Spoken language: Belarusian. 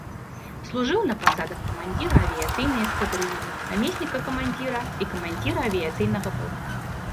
Служыў на пасадах камандзіра авіяцыйнай эскадрыллі, намесніка камандзіра і камандзіра авіяцыйнага палка.